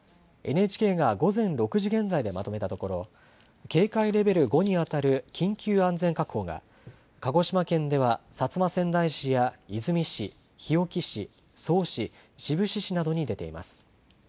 ＮＨＫが午前６時現在でまとめたところ、警戒レベル５に当たる緊急安全確保が、鹿児島県では薩摩川内市や出水市、日置市、曽於市、志布志市などに出ています。